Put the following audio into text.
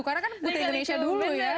karena kan putri indonesia dulu ya